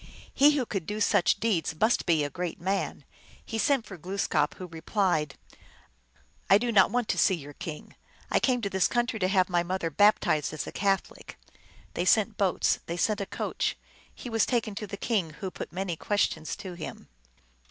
He who could do such deeds must be a great man. He sent for Glooskap, who replied, " I do not want to see your king. I came to this country to have my mother baptized as a Catholic." They sent boats, they sent a coach ; he was taken to the king, who put many questions to him.